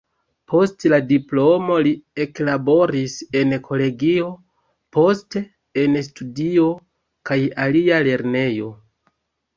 Post la diplomo li eklaboris en kolegio, poste en studio kaj alia lernejo.